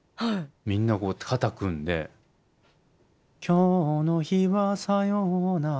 みんなこうやって肩組んで「今日の日はさようなら」って。